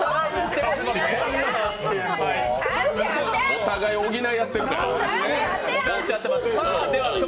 お互いを補い合ってるから。